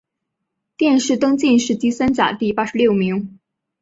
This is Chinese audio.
殿试登进士第三甲第八十六名。